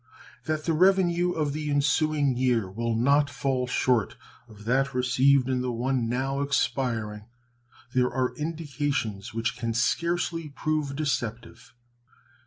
That the revenue of the ensuing year will not fall short of that received in the one now expiring there are indications which can scarcely prove deceptive.